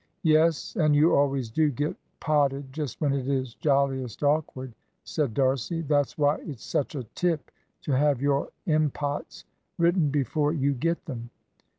"Yes; and you always do get potted just when it is jolliest awkward," said D'Arcy. "That's why it's such a tip to have your impots written before you get them.